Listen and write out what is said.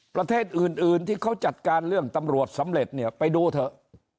ประเทศอื่นที่เขาจัดการเรื่องตำรวจสำเร็จเนี่ยไปดูเถอะ